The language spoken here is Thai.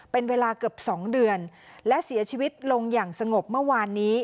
เป็นเวลาเกือบ๒เดือนและเสียชีวิตลงอย่างสงบเมื่อวานนี้